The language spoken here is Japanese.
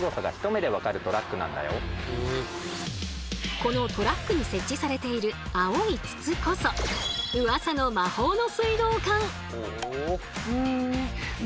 このトラックに設置されている青い筒こそうわさの魔法の水道管！